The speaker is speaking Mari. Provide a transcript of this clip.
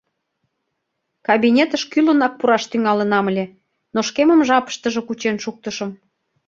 Кабинетыш кӱлынак пураш тӱҥалынам ыле, но шкемым жапыштыже кучен шуктышым.